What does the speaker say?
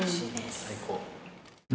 最高。